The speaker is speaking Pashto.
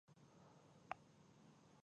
ایا زه باید جلغوزي وخورم؟